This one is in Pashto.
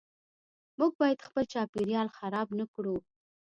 موږ باید خپل چاپیریال خراب نکړو .